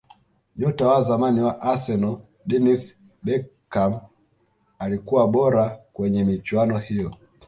nyota wa zamani wa arsenal dennis bergkamp alikuwa bora kwenye michuano hiyo